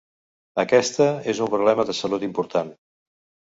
Aquesta és un problema de salut important.